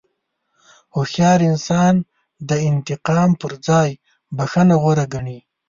هوښیار انسان د انتقام پر ځای بښنه غوره ګڼي.